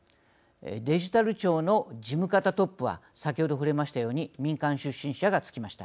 デジタル庁の事務方トップは先ほど触れましたように民間出身者が就きました。